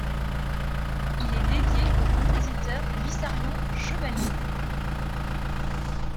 Il est dédié au compositeur Vissarion Chebaline.